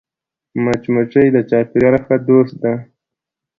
مچمچۍ د چاپېریال ښه دوست ده